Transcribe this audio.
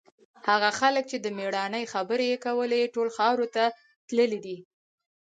هغه خلک چې د مېړانې خبرې یې کولې، ټول خاورو ته تللي دي.